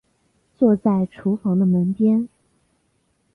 坐在厨房的门边